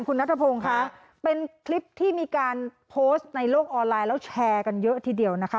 คุณนัทพงศ์ค่ะเป็นคลิปที่มีการโพสต์ในโลกออนไลน์แล้วแชร์กันเยอะทีเดียวนะคะ